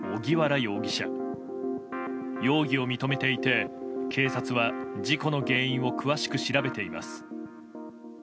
容疑を認めていて警察は事故の原因を詳しく調べています。